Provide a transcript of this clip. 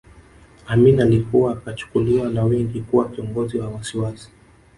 Amin alikuwa kachukuliwa na wengi kuwa kiongozi wa wasiwasi